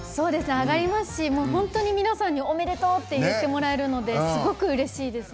上がりますし本当に皆さんにおめでとう！って言ってもらえるのですごくうれしいですね。